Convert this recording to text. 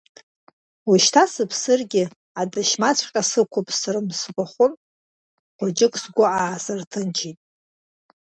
Ушьҭа сыԥсыргьы адашьмаҵәҟьа сықәԥсрым сгәахәын, хәыҷык сгәы аасырҭынчит.